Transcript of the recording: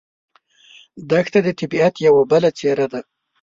دښته د طبیعت یوه بله څېره ده.